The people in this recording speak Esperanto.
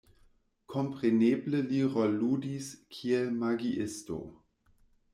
Kompreneble li rolludis kiel magiisto.